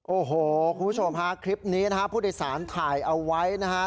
โอ้โหคุณผู้ชมคลิปนี้พุทธศาสตร์ถ่ายเอาไว้นะครับ